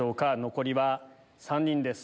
残りは３人です。